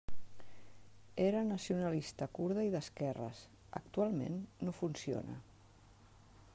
Era nacionalista kurda i d'esquerres, actualment no funciona.